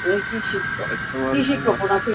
এটা কি তোমার হোমওয়ার্ক?